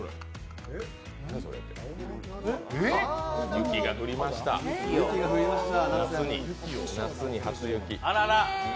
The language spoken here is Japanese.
雪が降りました、夏に初雪。